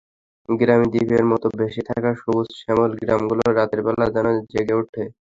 পানিতে দ্বীপের মতো ভেসে থাকা সবুজ-শ্যামল গ্রামগুলো রাতের বেলা যেন জেগে ওঠে।